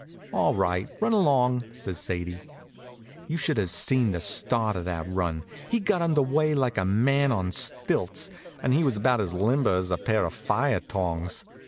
"All right, run along," says Sadie. You should have seen the start of that run. He got under way like a man on stilts, and he was about as limber as a pair of fire tongs.